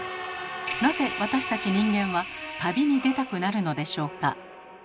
なぜ私たち人間は旅に出たくなるのでしょうか。